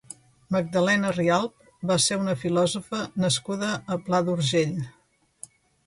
Magdalena Rialp va ser una filòsofa nascuda a Pla d'Urgell.